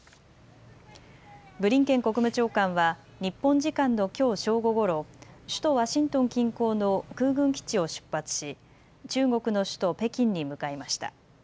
ブリンケン国務長官は日本時間のきょう正午ごろ、首都ワシントン近郊の空軍基地を出発し中国の首都・北京に向かいました。